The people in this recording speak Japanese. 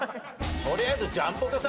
「とりあえずジャンポケさん